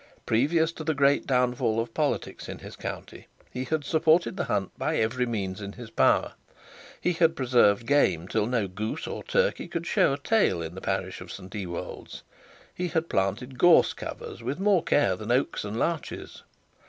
Previous to the great downfall of politics in his country, he had supported the hunt by every means in his power. He had preserved game till no goose or turkey could show a tail in the parish of St Ewold's. He had planted gorse covers with more care than oaks and larches.